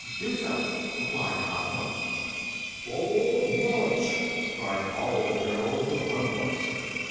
"Do so," replied Ozma. "For ward march!" cried all the generals, with one voice.